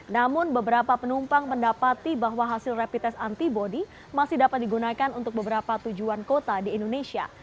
namun beberapa penumpang mendapati bahwa hasil rapid test antibody masih dapat digunakan untuk beberapa tujuan kota di indonesia